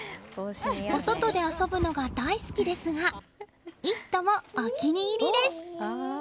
お外で遊ぶのが大好きですが「イット！」もお気に入りです。